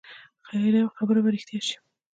خبره به رښتيا شي.